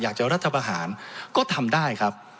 อยากจะรัฐบาหารก็ทำได้ครับ